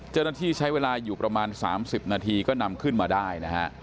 เจ้าหน้าที่ใช้เวลาอยู่ประมาณ๓๐นาทีก็นำขึ้นมาได้นะฮะ